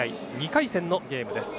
２回戦のゲームです。